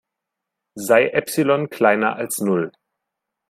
Sei Epsilon kleiner als Null.